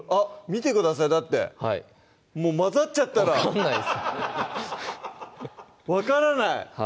見てくださいだってもう混ざっちゃったら分からない！